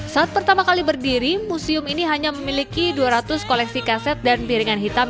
saat pertama kali berdiri museum ini hanya memiliki dua ratus koleksi kaset dan piringan hitam